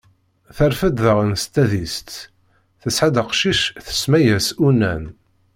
Terfed daɣen s tadist, tesɛa-d aqcic, tsemma-as Unan.